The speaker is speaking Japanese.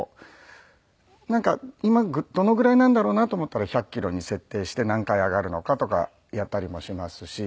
なんか今どのぐらいなんだろうな？と思ったら１００キロに設定して何回上がるのかとかやったりもしますし。